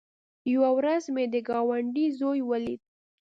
يوه ورځ مې د گاونډي زوى وليد.